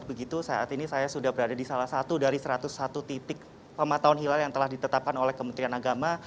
begitu saat ini saya sudah berada di salah satu dari satu ratus satu titik pemantauan hilal yang telah ditetapkan oleh kementerian agama